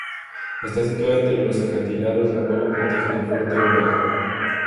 Está situada entre acantilados, la cual la protege del fuerte oleaje.